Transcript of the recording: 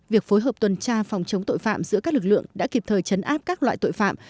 việc phối hợp tuần tra phòng chống tội phạm giữa các lực lượng đã kịp thời chấn áp các loại tội phạm